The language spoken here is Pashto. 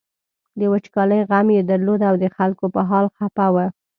د وچکالۍ غم یې درلود او د خلکو په حال خپه و.